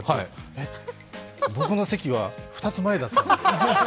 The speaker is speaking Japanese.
えっ、僕の席は２つ前だったんです。